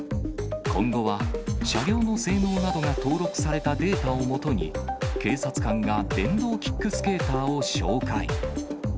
今後は車両の性能などが登録されたデータを基に、警察官が電動キックスケーターを照会。